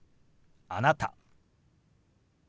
「あなた」。